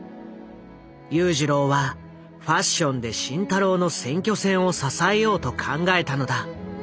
裕次郎はファッションで慎太郎の選挙戦を支えようと考えたのだ。